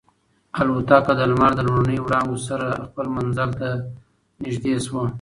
الوتکه د لمر د لومړنیو وړانګو سره خپل منزل ته نږدې شوه.